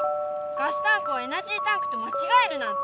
ガスタンクをエナジータンクとまちがえるなんて！